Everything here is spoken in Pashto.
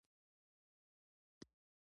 ژبه د ځوانانو هویت ښيي